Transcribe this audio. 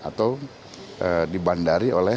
atau dibandari oleh